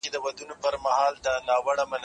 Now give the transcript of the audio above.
زاړه نوټونه نه چلېږي.